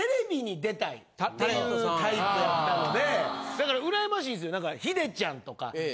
だからうらやましいんですよ何か。